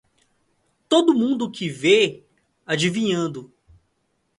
Todo mundo que vê adivinhando